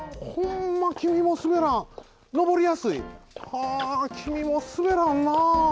はあきみもすべらんな。